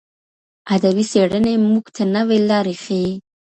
ادبي څېړني موږ ته نوې لارې ښيي.